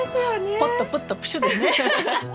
ポッとプッとプシュッですね。